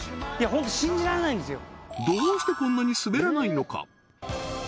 ホント信じられないんですよ